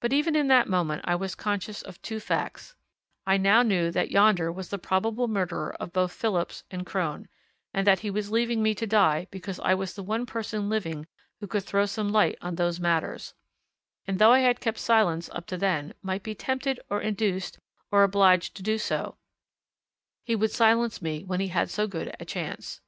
But even in that moment I was conscious of two facts I now knew that yonder was the probable murderer of both Phillips and Crone, and that he was leaving me to die because I was the one person living who could throw some light on those matters, and, though I had kept silence up to then, might be tempted, or induced, or obliged to do so he would silence me while he had so good a chance.